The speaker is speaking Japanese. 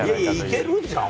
いけるんじゃん？